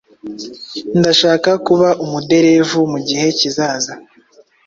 Ndashaka kuba umuderevu mugihe kizaza.